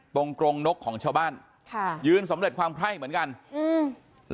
กรงนกของชาวบ้านค่ะยืนสำเร็จความไพร่เหมือนกันอืม